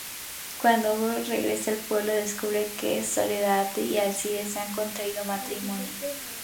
Cuando Hugo regresa al pueblo, descubre que Soledad y Alcides han contraído matrimonio.